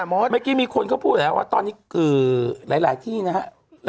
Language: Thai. เมื่อกี้มีคนเขาพูดแล้วว่าตอนนี้หลายที่นะฮะ